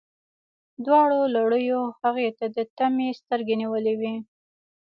دواړو لړیو هغې ته د طمعې سترګې نیولي وې.